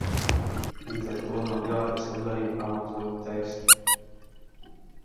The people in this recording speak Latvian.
Līdz ar to nav jāraksta garie pamatojuma teksti.